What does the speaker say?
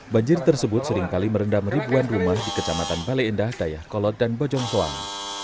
banjir tersebut seringkali merendam ribuan rumah di kecamatan bale endah dayakolot dan bojongkoang